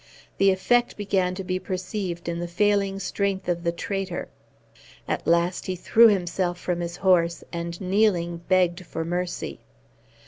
The effect began to be perceived in the failing strength of the traitor; at last he threw himself from his horse, and kneeling, begged for mercy.